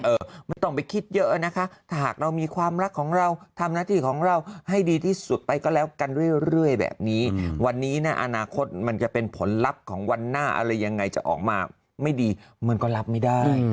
ไม่ต้องไปคิดเยอะนะคะถ้าหากเรามีความรักของเราทำหน้าที่ของเราให้ดีที่สุดไปก็แล้วกันเรื่อยแบบนี้วันนี้นะอนาคตมันจะเป็นผลลัพธ์ของวันหน้าอะไรยังไงจะออกมาไม่ดีมันก็รับไม่ได้